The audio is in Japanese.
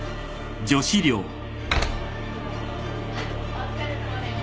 ・お疲れさまです。